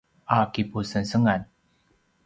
a kipusengsengan